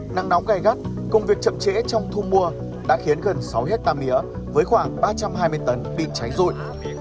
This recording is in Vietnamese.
nắng nóng gai gắt công việc chậm trễ trong thu mua đã khiến gần sáu hectare mía với khoảng ba trăm hai mươi tấn bị cháy rụi